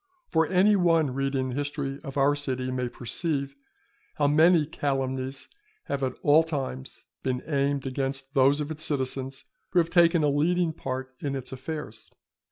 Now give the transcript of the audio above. For any one reading the history of our city may perceive, how many calumnies have at all times been aimed against those of its citizens who have taken a leading part in its affairs.